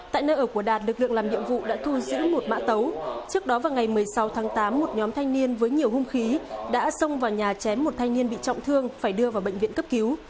tại nơi ở của đạt lực lượng làm nhiệm vụ đã thu giữ một mã tấu trước đó vào ngày một mươi sáu tháng tám một nhóm thanh niên với nhiều hung khí đã xông vào nhà chém một thanh niên bị trọng thương phải đưa vào bệnh viện cấp cứu